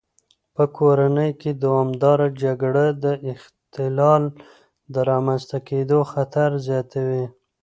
په کورنۍ کې دوامداره جګړه د اختلال د رامنځته کېدو خطر زیاتوي.